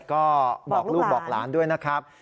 ก็บอกลูกบอกหลานด้วยนะครับ